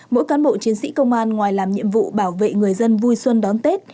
mỗi cán bộ chiến sĩ công an ngoài làm nhiệm vụ bảo vệ người dân vui xuân đón tết